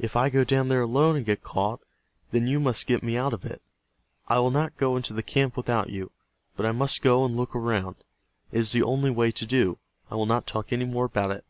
If I go down there alone and get caught then you must get me out of it. I will not go into the camp without you, but I must go and look around. It is the only way to do. I will not talk any more about it."